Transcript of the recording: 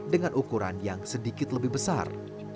dengan ukuran yang sedikit lebih besar